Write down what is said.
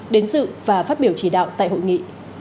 đến dự và phát biểu chỉ đạo tại hội nghị